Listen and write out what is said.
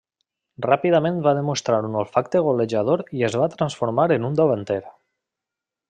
Ràpidament va demostrar un olfacte golejador i es va transformar en un davanter.